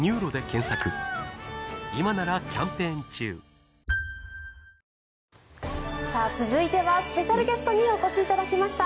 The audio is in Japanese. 東京海上日動続いてはスペシャルゲストにお越しいただきました。